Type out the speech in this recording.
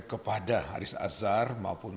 kepada haris azhar maupun